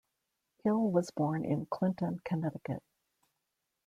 Hill was born in Clinton, Connecticut.